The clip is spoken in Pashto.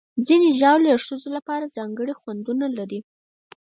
ځینې ژاولې د ښځو لپاره ځانګړي خوندونه لري.